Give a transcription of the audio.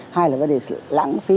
hay là vấn đề lãng phí